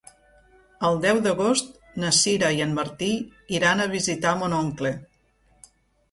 El deu d'agost na Sira i en Martí iran a visitar mon oncle.